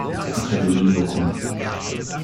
Akademie Loccum.